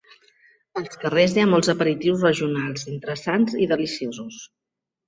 Als carrers, hi ha molts aperitius regionals interessants i deliciosos.